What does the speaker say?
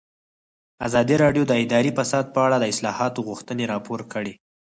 ازادي راډیو د اداري فساد په اړه د اصلاحاتو غوښتنې راپور کړې.